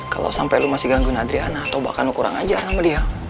kalau sampai lo masih ganggu andrea atau bahkan lo kurang ajar sama dia